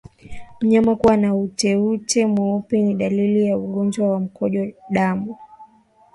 Mnyama kuwa na uteute mweupe ni dalili ya ugonjwa wa mkojo damu